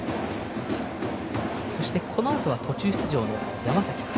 そして、このあとは途中出場の山崎剛。